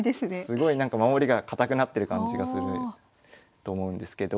すごいなんか守りが堅くなってる感じがすると思うんですけど。